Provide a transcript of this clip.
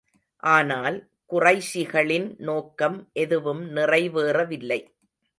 ஆனால், குறைஷிகளின் நோக்கம் எதுவும் நிறைவேறவில்லை.